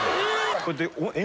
こうやって。